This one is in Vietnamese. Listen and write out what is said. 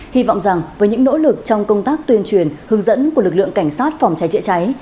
hy vọng rằng với những nỗ lực trong công tác tuyên truyền hướng dẫn của lực lượng cảnh sát phòng cháy chữa cháy